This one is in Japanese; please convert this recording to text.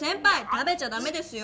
食べちゃダメですよ！